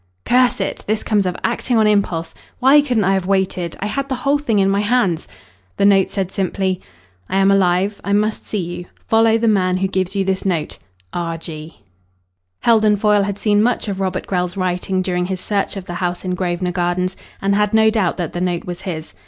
"Curse it! This comes of acting on impulse. Why couldn't I have waited! I had the whole thing in my hands." The note said simply "I am alive. I must see you. Follow the man who gives you this note. R. G." Heldon Foyle had seen much of Robert Grell's writing during his search of the house in Grosvenor Gardens, and had no doubt that the note was his.